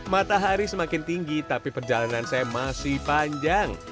matahari semakin tinggi tapi perjalanan saya masih panjang